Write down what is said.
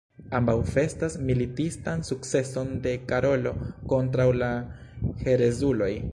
Ambaŭ festas militistan sukceson de Karolo kontraŭ la "herezuloj".